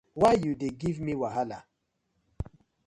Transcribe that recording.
Why you dey give me wahala?